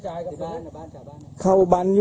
เหลืองเท้าอย่างนั้น